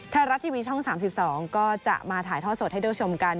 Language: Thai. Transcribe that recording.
ไทยรัฐทีวีช่อง๓๒ก็จะมาถ่ายทอดสดให้ได้ชมกัน